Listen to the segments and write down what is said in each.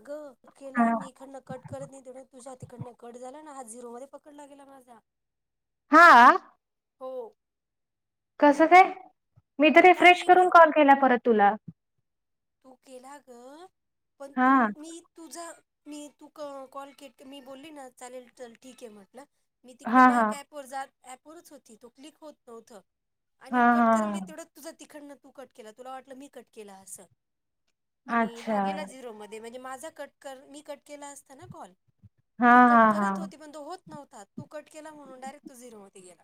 अगं कट हा केला मी इकडन कट करत नाही तेवढ्यात तुझ्या तीकडंन कट झाला ना हा झिरो मध्ये पकडला गेला माझा हा हो कस काय मी तर काय रिफ्रेश मी इकडे करून कॉल केला परत तुला तू केला ग पण तू हां, मी तुझ मी तू क कॉल के मी बोलली ना चालेल चल ठीक आहे म्हटलं मी तिकडे हां, हां, बॅक ॲप वर जात ऍपवरच होती तो क्लिक होत नव्हतं आणि हां, कट करली हां. तेवढ्यात तुझं तिकडनं तू कट केला तुला वाटलं मी कट केला असं आणि अच्छा. हा गेला झिरोमध्ये म्हणजे माझा कट कर मी कट केला असता ना कॉल मी हां, कट हां, करत हां. होती पण तो होत नव्हता तू कट केला म्हणून डायरेक्ट तो झिरोमध्ये गेला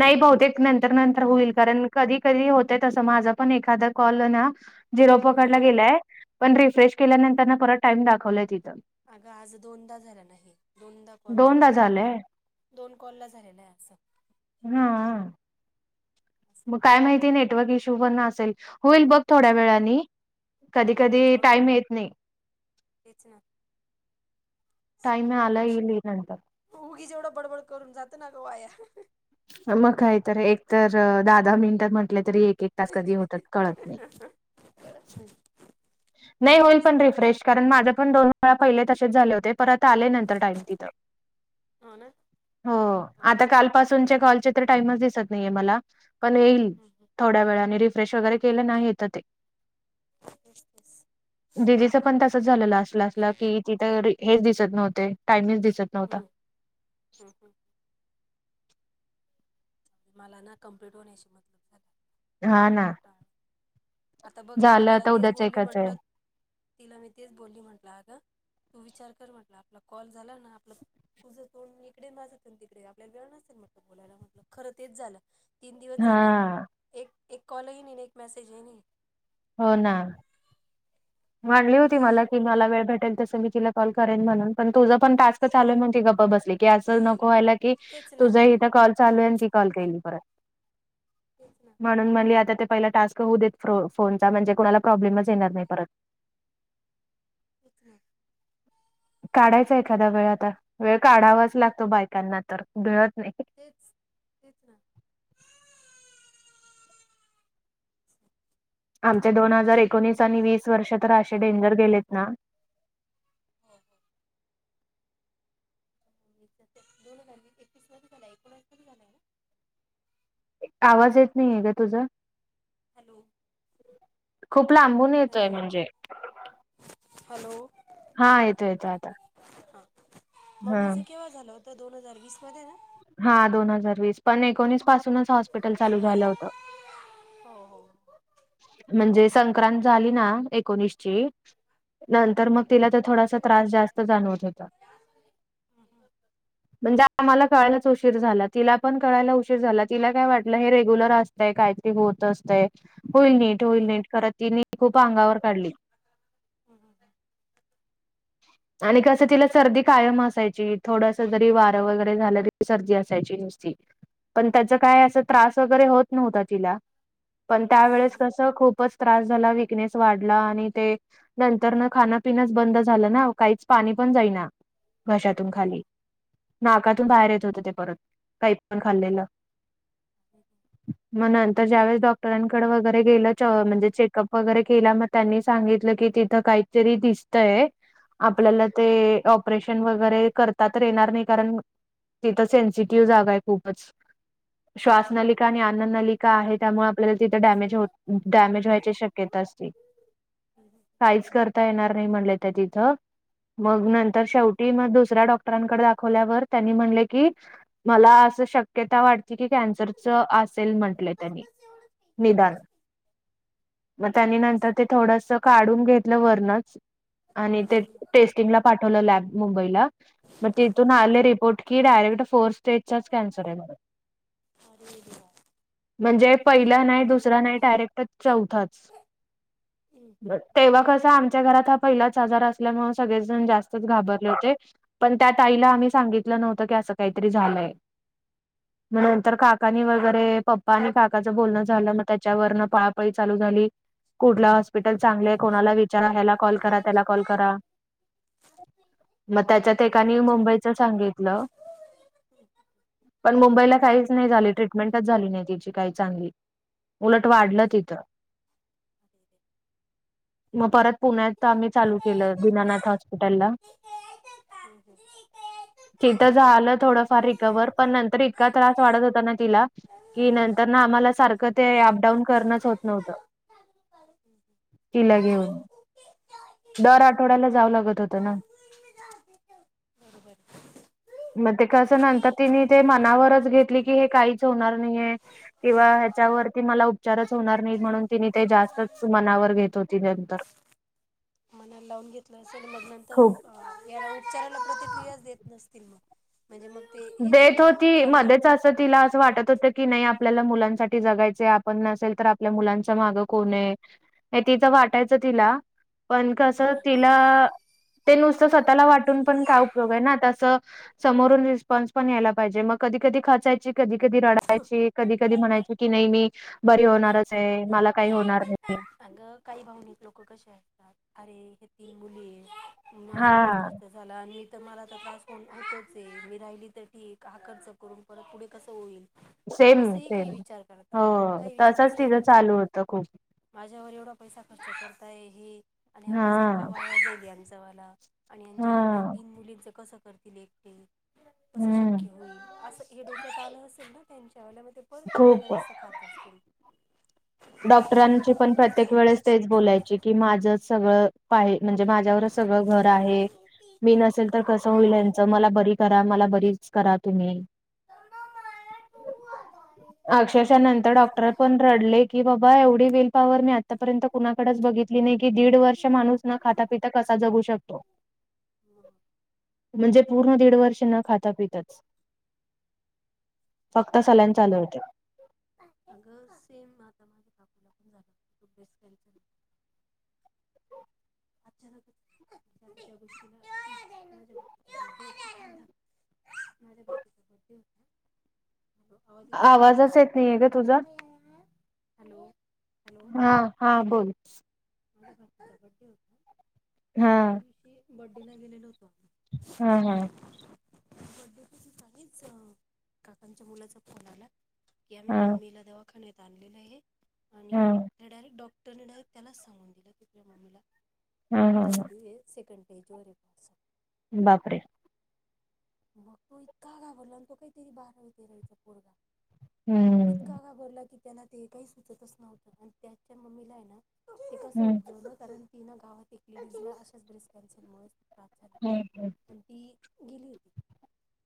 नाही बहूतेक नंतर नंतर होईल कारण कधी कधी होतय तसं माझा पण एखादा कॉल ना झिरो हम्म. पकडला गेलाय पण रिफ्रेश केल्यानंतरन परत टाइम दाखवलाय तिथं अगं आज दोनदा झालेल हे दोनदा कॉलच दोनदा दोन झालंय. दोन कॉल ला झालेल आहे असं हू असं मग काय माहिती नेटवर्क इश्यू पण असेल होईल बघ थोड्या वेळानी कधी हा होईल कधी जाऊ दे टाईम येत नाही तेच ना टाईम आला येईल नंतर. हो उगीच एवढं बडबड करून जातं ना ग वाया मग काय तर एक तर दहा दहा मिनिट म्हटले तरी एक एक तास कधी होतात कळत नाही अ कळतं नाही नाही होईल पण रिफ्रेश कारण माझ पण दोन वेळा पहिले तसेच झाले होते परत आले नंतर टाईम तिथं हो ना हो बघू आता चल काल पासूनचे कॉलचे तर टाइमच दिसत नाहीये मला पण येईल हम्म हम्म थोड्या वेळाने री फ्रेश वगैरे केलना येतं ते बस बस दिदिचं पण तसंच झालेल असला असला की तिथं हेच दिसत नव्हते टाइमच दिसत नव्हता हू हू मला ना कम्प्लीट होण्याशी मतलब झालाय हा ना टाळ आता बघ ना मी झालं तिला आता तेच उद्याच बोलली एकाच आहे म्हंटलं तिला मी तेच बोलली म्हंटलं अगं तू विचार कर म्हटलं आपला कॉल झाला ना आपलं तुझं तोड इकडे माझं तोंड तिकडे आपल्याला वेळ नसेल म्हटलं बोलायला म्हटलं खरं तेच झालं तीन दिवस झाले हा एक एक कॉल हि नाही एक मेसेज हि नाही हो ना म्हणली होती मला, की मला वेळ भेटेल, तसं मी तिला कॉल करेन, म्हणून पण, तुझं पण टास्क चालंल, म्हणून ती गप्प बसली, की असं नको व्हायला, की तेच ना तुझं, इथं कॉल चालू आहे अन ती कॉल करील परत तेच ना म्हणून म्हणली, आता ते पहिला, टास्क होऊ देत फोनचा, म्हणजे कोणाला प्रॉब्लेमच येणार नाही परत. तेच ना काढायच एखादा वेळ आता, वेळ काढावाच लागतो बायकांना तर, वेळत नाही तेच- तेच ना आमचे दोन हजार एकोणीस आणि वीस वर्ष तर, असे डेंजर गेलेत ना हो- हो एक तर ते, दोन हजार वीस -एकवीस मध्ये झाला, एकोणीस ए, आवाज येत नाहीये गं, तुझा हॅलो खूप लांबून येतोय, हॅलो म्हणजे हॅलो, हा येतो येतो आता. हा हा मम्मीचं केव्हा झालं? ते दोन हजार वीसमध्ये ना? हा, दोन हजार वीस, पण एकोणीस पासूनच हॉस्पिटल चालू झालं होतं. हो -हो म्हणजे, संक्रांत झाली ना, एकोणीसची नंतर मग, तिला ते, थोडासा त्रास, जास्त जाणवत होता [unintelligible] [inaudible] म्हणजे, आम्हाला कळायलाच उशीर झाला, तिला पण कळायला उशीर झाला, तिला काय वाटलं, हे रेग्युलर असं तय काहीतरी होत असतंय, होईल नीट -होईल नीट करत, तिने खूप अंगावर काढली [unintelligible] आणि कसं, तिला सर्दी कायम असायची, थोडंस जरी वारं वगैरे झालं सर्दी असायची नुसती, पण त्याच काय, असं त्रास वगैरे होत नव्हता तिला पण त्यावेळेस कसं, खूपच त्रास झाला, वीकनेस वाढला आणि ते नंतर न खानपिनच बंदच झालं ना, अव काहीच पाणी पण जाईना, घशातून खाली. नाकातून बाहेर येत होतं, ते परत, काही पण खालेल्ल [unintelligible] [inaudible] म नंतर, ज्यावेेळेस डॉक्टरांकडं वगैरे गेलं, चॉ म्हणजे चेकअप वगैरे केलं, म त्यांनी सांगितलं की तिथं काहीतरी दिसतंय, आपल्याला ते ऑप रेशन वगैरे करता तर येणार नाही, कारण तिथं सेन्सिटिव्ह जागा आहे, खूपच श्वास नलिका आणि अन्न नलिका का आहे, त्यामुळं आपल्याला तिथं डॅमेज हो डॅमेज व्हायची शक्यता असती काहीच करता येणार नाही, म्हणले त्या तिथं, मग नंतर शेवटी म दुसरा डॉक् डॉक्टरांकडे दाखवल्यावर, त्यांनी म्हटलं की मला असं शक्यता वाटते, की कॅन्सरच असेल, म्हटलंय त्यांनी निदान म त्यानी, नंतर ते, थोडंस काढून घेतलं, वर्णच आणि ते, टेस्टिंगला पाठवलं, लॅब मुंबईला म तिथून, आले रिपोर्ट की, डायरेक्ट फोर स्टेजचा कॅन्सर आहे, म्हणून हम्म हम्म म्हणजे पहिला नाही, दुसरा नाही, डायरेक्ट चौथाच. हम्म हम्म तेव्हा कसं आमच्या घरात पहिलाच आजार असल्यामुळे सगळेच जण जास्तच घाबरले होते. पण त्यात आईला आम्ही सांगितलं नव्हतं की असं काहीतरी झालंय. मग नंतर काकांनी वगैरे पप्पा आणि काकाचं बोलणं झालं मग त्याच्यावरनं पळापळी चालू झाली. कुठलं हॉस्पिटल चांगला आहे. कोणाला विचारा याला कॉल करा त्याला कॉल करा. मग आता त्यांच्यात पोरती एकानी इच्छा मुंबईच म्हटलं सांगितलं. [inaudible] पण मुंबईला काहीच नाही झाली. ट्रीटमेंटच झाली नाही तिची काय चांगली. उलट वाढलं तिथं मग परत पुण्यात, तिथं आम्ही चालू केलं, दीनानाथ हॉस्पिटलला. [inaudible] तिथं झालं थोडंफार रिकवर पण नंतर इतका त्रास वाढत होता ना तिला. कि नंतर ना आम्हाला सारखं ते अपडाऊन करणंच होत नव्हतं. [unintelligible] तिला घेऊन. दर आठवड्याला जावं लागत होतं ना. [inaudible] बरोबर. मग ते कसं नंतर तिने ते मनावरच घेतली की हे काहीच होणार नाहीये. किंवा ह्याच्यावरती मला उपचारच होणार नाही म्हणून तिने ते जास्तच मनावर घेत होती नंतर, मनाला लावून घेतलं असेल मग खूप नंतर या उपचाराला प्रतिक्रिया देत नसतील मग. म्हणजे मग ते हेच होतं ना मग खाणं. तर तिला असं वाटत होतं की नाही आपल्याला मुलांसाठी जगायच आपण नसेल तर आपल्या मुलांच मागं कोण आहे. नाही तिचं वाटायचं तिला पण कसं हम्म हम्म तिला. ते नुसतं स्वतःला वाटून पण काय उपयोग आहे ना, तसं समोरून रिस्पॉन्स पण यायला पाहिजे मग, कधी कधी खचायची कधी कधी रडायची कधी कधी म्हणायची की नाही मी. बरी होणारच आहे, मला काही होणार नाही. तर काही भावनिक लोक कसे असतात, अरे हे तीन मुली माझ्यावरच हा खरतात झाला आणि मी तर मला आता त्रास होन होतोच आहे. मी राहिली तर ठीक हा खर्च करून परत पुढे कसं होईल. सेम असही काही सेम विचार करतात, हो काही विचार तसच असही तिचं करतात. चालू होतं खूप माझ्यावर एवढा पैसा खर्च करताय हे आणि हा पैसा कावा ग आमचा मला. आणि यांच्या अजून या हा तीन मुलींच कसं करतील एकटे. असं हम्म शक्य होईल, असं हे डोक्यात आलं असेल ना त्यांच्या ल्यामध्ये परत खूप कोणाला. अरे! डॉक्टरांची पण प्रत्येक वेळेस तेच बोलायची की माझं सगळं पाही म्हणजे माझ्यावर सगळं अगं घर आहे. मी नसेल तर कसं होईल यांचं, मला बरी करा मला बरीच करा तुम्ही. अक्षरशः नंतर डॉक्टर पण रडलीत‌. की बाबा एवढी वेल पावर मी आतापर्यंत कुणाकडं बघितली नाही की दीड वर्ष माणूस न खातापिता कसा जगू शकतो. हं मग म्हणजे पूर्ण दीड वर्ष, न खाता पिताच. फक्त सलाईन चालु होते. अगं सेम आता माझ्या काकूला पण झालं होतं. [unintelligible] अचानकच [unintelligible] माझ्या भाचीचा बड्डे होता. हॅलो आवाज येतोय आवाजच येत नाहीये गं तुझा. हॅलो. हॅलो हा हा बोल. [unintelligible] हा त्या दिवशी बड्डेला गेलेलो होतो. हा हा [unintelligible] काकांच्या मुलाचा फोन आला. की आम्ही हा मम्मीला दवाखान्यात आणलेलं आहे. आणि हा डायरेक्ट डॉक्ट त्यांनी डायरेक्ट त्यांनाच सांगून दिलं की, तुझ्या मम्मीला. हा हा हा पॉझिटिव ये सेकंड स्टेजवर ये असं. बापरे. मग तो इतका घाबरला आणि तो, काहीतरी बारावी तेरावीचा पोरगा. हम्म. इतका घाबरला की त्याला ते काही सुचतच नव्हतं, आणि त्यांच्या मम्मीला ये ना. ते कसं हम्म उबजवलं कारण, तीनं गावात फेकलेली अशाच ब्रेस्कच [unintelligible] भास झाला हम्म पण, ती गेली होती.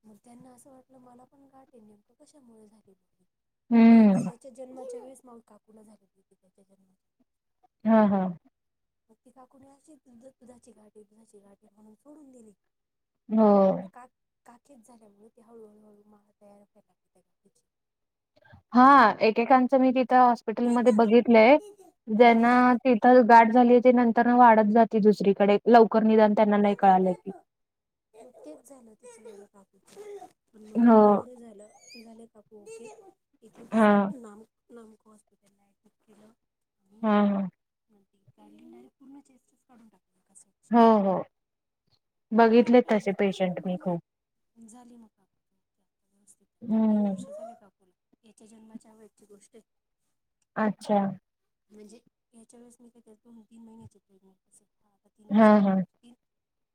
मग त्यांना असं वाटलं मला पण गाठ आहे, नेमकं कशामुळे झाली ती. ती ना हम्म त्यांच्या जन्माच्या वेळेस माझ्या काकुला झालेली होती त्याच्या जन्माची. हा हा. मग ती काकुणी अशी दुधाची गाठ ये, दुधाची गाठ ये म्हणून सोडून दिली. हो ते काकीत झाल्या मूळ ती हळूहळूहळू [unintelligible] हा एकेकांचं मी तिथं हॉस्पिटलमध्ये गाठीची बघितलंय. देतो देतो ज्यांना तिथं गाठ झाली ते, नंतर वाढत जाते दुसरीकडे. लवकर हो निदान त्यांना नाही देतो कळालं की. देतो तेच झालं तिचं [unintelligible] मग हो एवढं बरं झालं. [unintelligible] इथेच हा नामक हॉस्पिटलला ऍडमिट केलं. हा हा. त्यांनी ना पूर्ण चेस्ट काढून टाकली. एका साईड हो हो बघितले तसे, पेशंट मी खूप. पण झाली मग काकू व्यवस्थित, तीन हम्म वर्ष झाली काकूला. याच्या जन्माच्या वेळची गोष्ट आहे. अच्छा. म्हणजे यांच्या वेळेस मी दोन तीन महिन्याची होती. प्रेग्नेंट अस हा आता तीन हा वर्षांचा. हा ती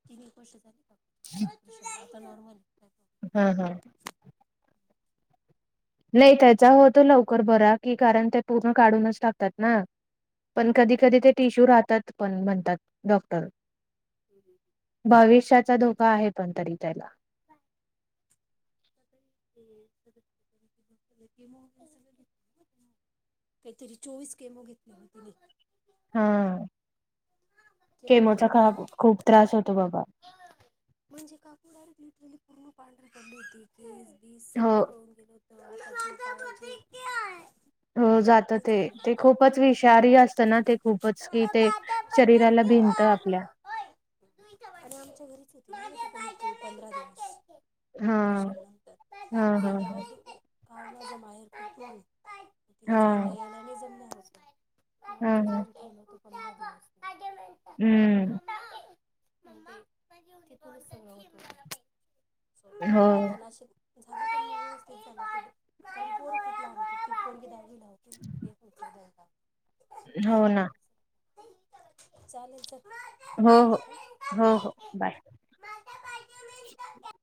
तीन एक वर्ष झाली काकुला आता नॉर्मल आहे. हा हा. नाही कायचा होतो लवकर बरा की, कारण ते पूर्ण काढूनच टाकतात ना. पण कधी कधी ते टिश्यू राहतात, पण म्हणतात डॉक्टर. हम. भविष्याचा धोका आहे, पण तरी त्याला. [unintelligible] सगळं घेत. काहीतरी चोवीस केमो घेतलेले तिने. हा केमो केमोचा घेतले खाप, होता खूप त्रास होतो बाबा. म्हणजे काकू डायरेक्ट लिटरली पांढरी पडली होती, केस बी हो सगळं गळून गेलं होतं. [unintelligible] हम्म असं जात ते, काहीच राहिलं ते खूपच नव्हतं. विषारी असतं ना ते. खूपच कि ते शरीराला भिंनत आपल्या. [unintelligible] तू इथे हा बस हा हा [inaudible] हा ऑपरेशन नंतर हा [unintelligible] [unintelligible] हा आमच्याच हा घरी ठेवलं होतं पंधरा दिवस. हम्म. [unintelligible] हो. असो त्याच्याबद्दल [unintelligible] [unintelligible] [inaudible] [unintelligible] हो ना. [unintelligible] चालेल चल हो हो नंतर हो हो [inaudible] बाय